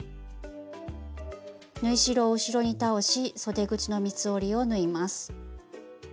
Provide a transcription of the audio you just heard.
縫い代を後ろに倒しそで口の三つ折りを縫います。